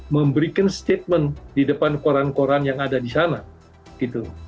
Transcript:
memberikan statement di depan koran koran yang ada di sana gitu